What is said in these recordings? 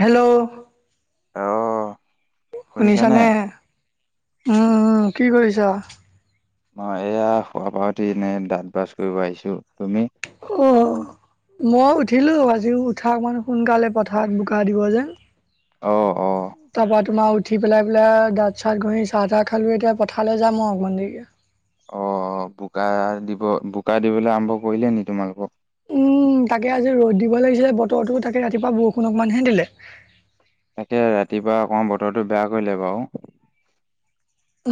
Hello. অ'। শুনিছানে? উম, উম, কি কৰিছা? মই এয়া শোৱাপা উঠি এনেই দাঁত ব্ৰাছ কৰিব আহিছো। তুমি? অ'। মই উঠিলো। আজিও উঠা অকমান সোনকালে পথাৰত বোকা দিব যেন। অ'। অ', তাৰপা তোমাৰ উঠি পেলাই, পেলাই দাঁত-চাত ঘহি চাহ-তাহ খালো। এতিয়া পথঠালৈ যাম মই অকমান দেৰিকে। অ', বোকা দিব, বোকা দিবলৈ আৰম্ভ কৰিলে নি তোমালোকৰ? উম, তাকে আজি ৰ'দ দিব লাগিছিলে বতৰটো তাকে ৰাতিপুৱা বৰষুণ অকমানহে দিলে। তাকে ৰাতিপুৱা অকমান বতৰটো বেয়া কৰিলে বাৰু।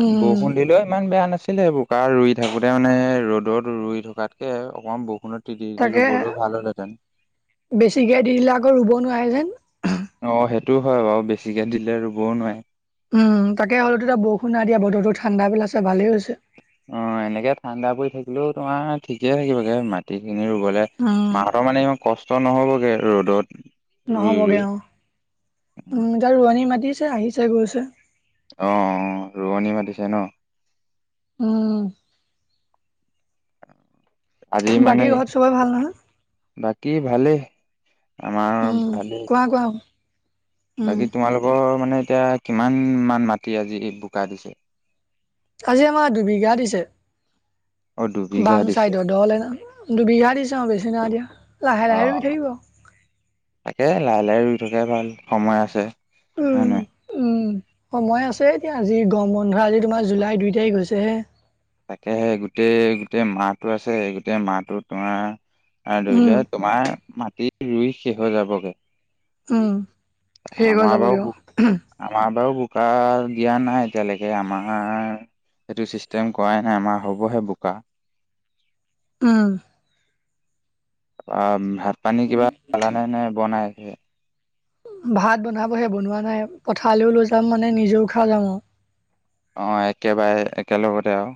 উম, বৰষুণ দিলেও ইমান বেয়া নাছিলে এই বোকা ৰুই থাকোতে মানে ৰ'দ ৰ'দত ৰুই থকাতকে অকণমান বৰষুণত তিতি তিতি তাকে ৰুবলৈও ভাল হ'লহেঁতেন। বেছিকে দি দিলে আকৌ ৰুব নোৱাৰে যেন। অ', সেইটো হয় বাৰু বেছিকে দিলে ৰুবও নোৱাৰে। উম তাকে হলেতেতিয়া বৰষুণ নাই দিয়া বতৰতো ঠাণ্ডা পেলাইছে, ভালেই হৈছে। অ', এনেকে ঠাণ্ডা পৰি থাকিলেও তোমাৰ ঠিকে থাকিবাগে মাটি এনে ৰুবলে উম, মাহঁতৰ মানে ইমান কষ্ট নহ'বগে ৰ'দত ৰুই ৰুই নহবগে অ', উম, যাৰ ৰোৱনী মাতি আছে আহিছে গৈছে অ', অ', ৰোৱনী মাতিছে ন'। উম। আজি বাকী মানে ঘৰত চবৰে ভাল নহয়? ব কি ভালেই আমাৰ উম, ভালেই কোৱা কোৱা উম, বাকী তোমালোকৰ মানে এতিয়া কিমান মান মাটি আজি বোকা দিছে? আজি আমাৰ দুবিঘা দিছে। অ দুবিঘা বাম দিছে চাইডৰ, দ'হলে দুবিঘা দিছে অ', বেছি নাই দিয়া। লাহে অ লাহে ৰুই থাকিব। তাকে লাহে লাহে ৰুই থকাই ভাল সময় আছে, উম, হয় নহয়। উম, সময় আছে। এতিয়া আজি গৰম বন্ধ আজি তোমাৰ জুলাই দুই তাৰিখ হৈছে হে। তাকেহে গোটেই গোটেই মাহটো আছে, স গোটেই মাহটো তোমাৰ আৰু ধৰি উম, লোৱা তোমাৰ মাটি ৰুই শেষ হৈ যাবগে। উম, শেষ হৈ আমাৰ বা যাবগে আৰু আমাৰ বাও গ্ৰুপ কৰা দিয়া নাই এতিয়ালৈকে আমাৰ এইেইটো চিষ্টেম কৰাই নাই আমাৰ হ'বহে বোকা। উম। তাৰপা ভাত পানী কিবা খালানে নে বনাইছেহে? ভাত বনাবহে বনোৱা নাই পথাৰলৈও লৈ যাম মানে নিজেও খাই যাম অ'। অ', একেবাৰে একেলগতে আৰু।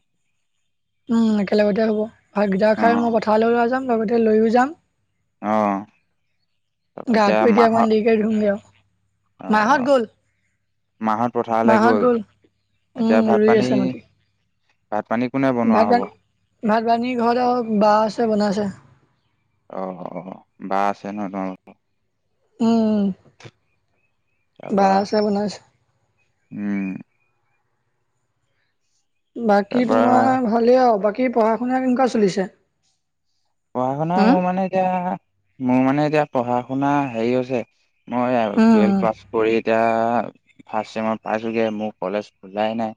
উম, একেলগতে হ'ব, ভাতকিটা অ খাই মই পথাৰলৈ ওলাই যাম লগতে লৈয়ো যাম। অ'। তাৰপৰা গাটো এতিয়া মাহত অকণমান দেৰিক ধুমগৈ আৰু, অ মাহঁত গ'ল। মাহত পথাৰলৈ মাহঁত গ'ল, এতিয়া উ, ভাত ৰুই পানী আছে মাটি। ভাত পানী কোনে বনোৱা হ'ব ভাগৱানী ভাগৱানীৰ ঘৰ ব আছে বনাইছে অ', অ', বা আছে নহ তম উম, বা তাৰপৰা আছে, বনাইছে। উম বাকী তাৰপৰা তোমাৰ ভালেই আৰু, বাকী পঢ়া শুনা কেনেকুৱা চলিছে? পঢ়া শুনা উম মোৰ মানে এতিয়া মোৰ মানে এতিয়া পঢ়া শুনা হেৰি হৈছে মই উম টুৱেলভ উম, পাছ কৰি এতিয়া ফাৰ্ষ চেমাৰ ক্লাছ হ'লেই, মোৰ কলেজ খোলাই নাই।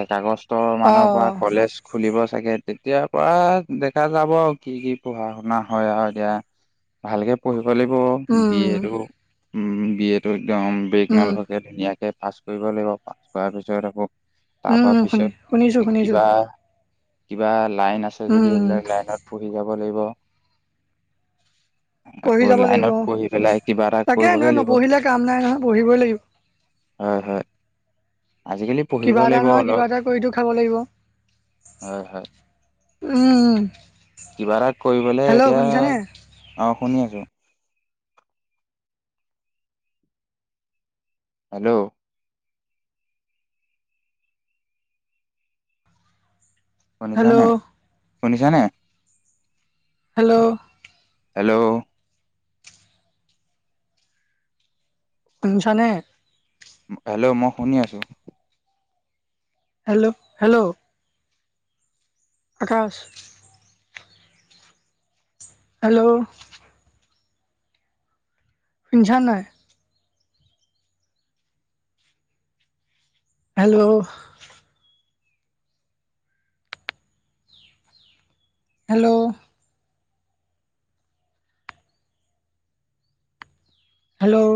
এক আগষ্ট অ মানৰ পৰা কলেজ খুলিব চাগে এতিয়াৰ পৰা দেখা যাব আৰু কি কি পঢ়া শুনা হয় আৰু এতিয়া, ভালকে পঢ়ি লাগিব, বি উম এ টো উ, বি এ টো একদম বেক উম নলগাকে ধুনীয়াকে পাছ কৰিব লাগিব পাছ কৰাৰ পিছত আকৌ তাৰপা উম শুনি শুনিছো পিছত শুনিছো কিবা কিবা লাইন আছে যদি উম এইবিলাক লাইনত পঢ়ি যাব লাগিব আকৌ পঢ়ি যাব লাগিব লাইনত অ পঢ়ি পেলাই কিবা এটা তাকে কৰিবগে এনেই লাগিব। নপঢ়িলে কাম নাই নহয় পঢ়িবই লাগিব হয় হয়, আজি কিবা এটা নহয় কিবা এটা কৰিতো খাব লাগিব। হয় হয় উম। কিবা এটা কৰিবলে হেল্ল' এতিয়া, শুনিছানে অ', শুনি আছো। হেল্ল'? শুনিছা নে হেল্ল' শুনিছানে? হেল্ল'? হেল্ল'? শুনিছানে? হেল্ল' মই শুনি আছো। Hello hello? ৰা [unintelligible] হেল্ল'? শুনিছানে নাই? হেল্ল'? হেল্ল'? হেল্ল'?